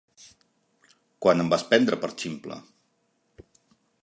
Quan em vas prendre per ximple?